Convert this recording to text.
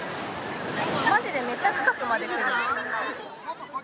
まじでめっちゃ近くまで来る。